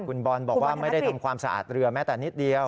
คุณบอลบอกว่าไม่ได้ทำความสะอาดเรือแม้แต่นิดเดียว